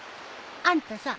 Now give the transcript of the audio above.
あんたさ